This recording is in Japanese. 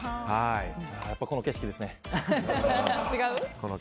やっぱりこの景色ですね。